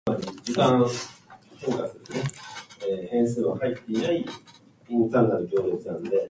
"Transform into a star performer at our dance camp."